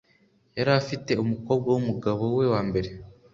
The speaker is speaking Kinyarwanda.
Yari afite umukobwa w'umugabo we wa mbere.